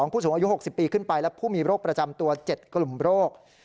ผู้สูงอายุ๖๐ปีขึ้นไปและผู้มีโรคประจำตัว๗กลุ่มโรค